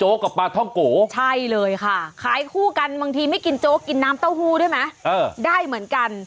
กับปลาท่องโกใช่เลยค่ะขายคู่กันบางทีไม่กินโจ๊กกินน้ำเต้าหู้ด้วยไหมได้เหมือนกัน